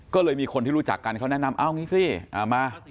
ก็เลยมีคนที่รู้จักกันเขาแนะนำเอางี้สิมา